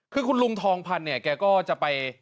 คุณลุงทองพันธุ์แกก็จะไป